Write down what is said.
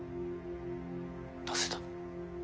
なぜだ？